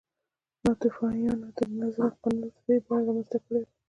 ناتوفیانو د نظم او قانون ابتدايي بڼه رامنځته کړې وه